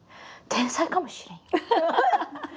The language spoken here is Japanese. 「天才かもしれん。